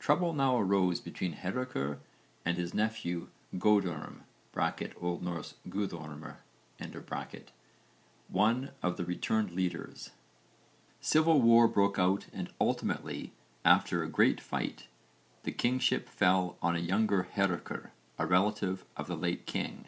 Trouble now arose between Hárekr and his nephew Godurm (O.N. Guðormr), one of the returned leaders. Civil war broke out and ultimately, after a great fight, the kingship fell to a younger Hárekr, a relative of the late king.